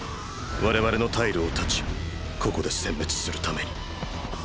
我々の退路を断ちここで殲滅するために。